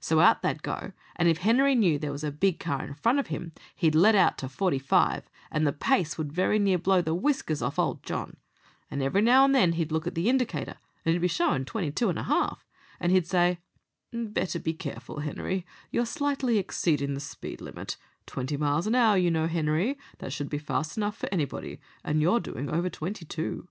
So out they'd go, and if Henery knew there was a big car in front of him, he'd let out to forty five, and the pace would very near blow the whiskers off old John; and every now and again he'd look at the indicator, and it'd be showin' twenty two and a half, and he'd say: "'Better be careful, Henery, you're slightly exceedin' the speed limit; twenty miles an hour, you know, Henery, should be fast enough for anybody, and you're doing over twenty two.'